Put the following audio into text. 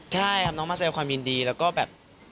ใช่ครับน้องมาแสดงความยินดีแล้วก็แบบ